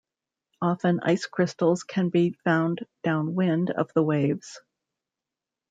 Often, ice crystals can be found downwind of the waves.